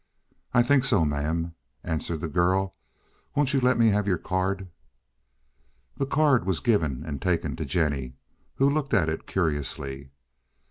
"I think so, mam," answered the girl. "Won't you let me have your card?" The card was given and taken to Jennie, who looked at it curiously.